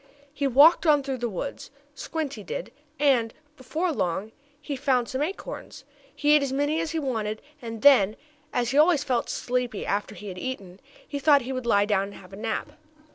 He walked on through the woods, Squinty did, and, before very long, he found some acorns. He ate as many as he wanted and then, as he always felt sleepy after he had eaten, he thought he would lie down and have a nap.